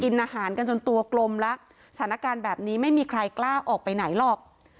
อาหารกันจนตัวกลมแล้วสถานการณ์แบบนี้ไม่มีใครกล้าออกไปไหนหรอก